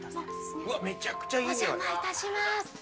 お邪魔いたします。